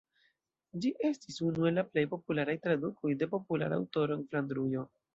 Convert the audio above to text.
Ĝi estis unu el la plej popularaj tradukoj de populara aŭtoro en Flandrujo.